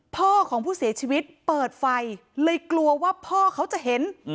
พ่อของผู้เสียชีวิตเปิดไฟเลยกลัวว่าพ่อเขาจะเห็น